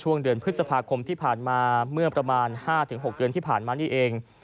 เดือนพฤษภาคมที่ผ่านมาเมื่อประมาณ๕๖เดือนที่ผ่านมานี่เอง